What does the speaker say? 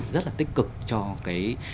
rất là tích cực cho cái